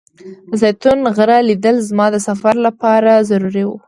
د زیتون غره لیدل زما د سفر لپاره ضروري و.